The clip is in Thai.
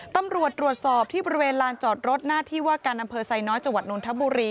ตำรวจตรวจสอบที่บริเวณลานจอดรถหน้าที่ว่าการอำเภอไซน้อยจังหวัดนทบุรี